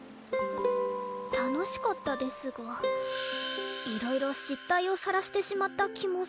楽しかったですがいろいろ失態をさらしてしまった気もします。